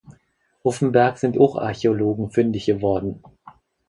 Auf dem Berg sind auch Archäologen fündig geworden.